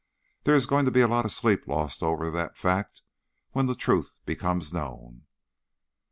There is going to be a lot of sleep lost over that fact when the truth becomes known."